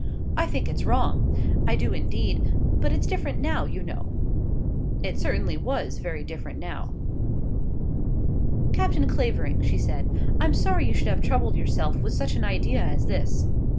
I think it's wrong; I do indeed; but it's different now, you know." It certainly was very different now. "Captain Clavering," she said, "I'm sorry you should have troubled yourself with such an idea as this."